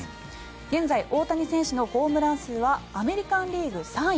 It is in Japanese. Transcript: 現在、大谷選手のホームラン数はアメリカン・リーグ３位。